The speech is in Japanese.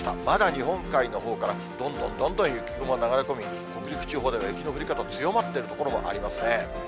まだ日本海のほうからどんどんどんどん雪雲が流れ込み、北陸地方では雪の降り方、強まっている所もありますね。